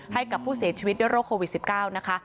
ให้กับผู้เสียชีวิตด้วยโรคโควิด๑๙นะคะ